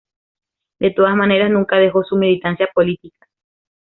De todas maneras, nunca dejó su militancia política.